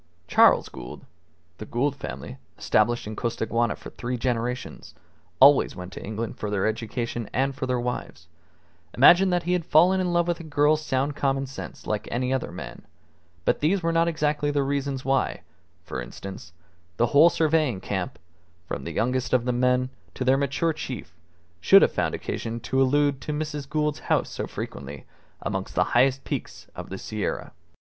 Charles Gould (the Gould family, established in Costaguana for three generations, always went to England for their education and for their wives) imagined that he had fallen in love with a girl's sound common sense like any other man, but these were not exactly the reasons why, for instance, the whole surveying camp, from the youngest of the young men to their mature chief, should have found occasion to allude to Mrs. Gould's house so frequently amongst the high peaks of the Sierra.